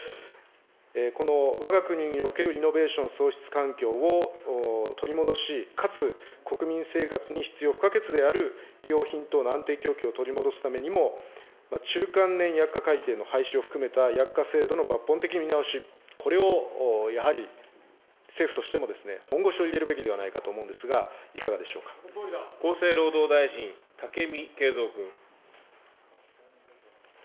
このわが国におけるイノベーション創出環境を取り戻し、かつ、国民生活に必要不可欠である医療品等の安定供給を取り戻すためにも、中間年薬価改定の廃止を含めた薬価制度の抜本的見直し、これをやはり政府としても本腰を入れるべきではないかと思うんで厚生労働大臣、武見敬三君。